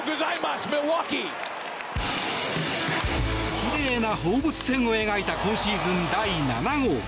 きれいな放物線を描いた今シーズン第７号。